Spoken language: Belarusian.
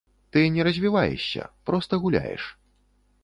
Ты не развіваешся, проста гуляеш.